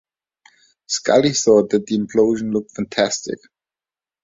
Scully thought that the implosion looked "fantastic".